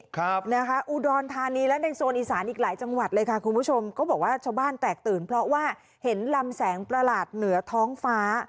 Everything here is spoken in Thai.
ครับนะคะอุดรธานีและในโซนอีสานอีกหลายจังหวัดเลยค่ะคุณผู้ชมก็บอกว่าชาวบ้านแตกตื่นเพราะว่าเห็นลำแสงประหลาดเหนือท้องฟ้า